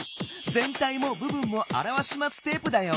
「ぜんたいもぶぶんもあらわしマステープ」だよ。